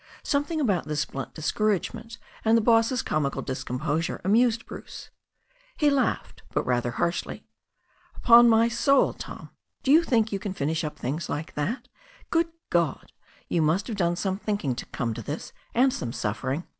Something about this blunt discouragement and the boss's comical discomposure amused Bruce. He laughed, but rather harshly. "Upon my soul, Tom, do you think you can finish up things like that? Good God! You must have done some thinking to come to this, and some suffering.